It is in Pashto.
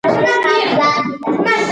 د برېښنا تولید هم اوبو ته اړتیا لري.